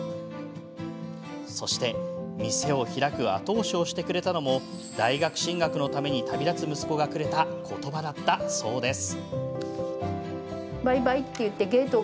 そして、店を開く後押しをしてくれたのも大学進学のために旅立つ息子がくれた言葉だったそうです。